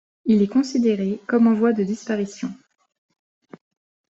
Il est considéré comme en voie de disparition.